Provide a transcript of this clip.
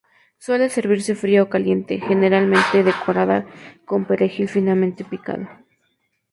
Suele servirse fría o caliente, generalmente decorada con perejil finamente picado.